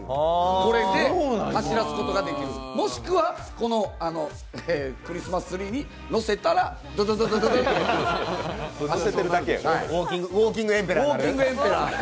これで走らせることができるもしくは、クリスマスツリーに乗せたらドドドドッとウォーキングエンペラー。